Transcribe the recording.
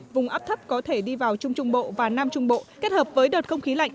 vùng áp thấp có thể đi vào trung trung bộ và nam trung bộ kết hợp với đợt không khí lạnh